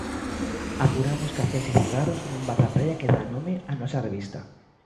Apuramos cafés e cigarros nun bar da praia que dá nome á nosa revista.